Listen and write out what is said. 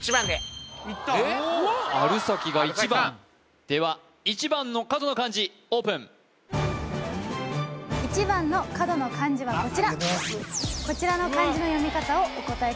いったある崎が１番では１番の角の漢字オープン１番の角の漢字はこちらこちらの漢字の読み方をお答え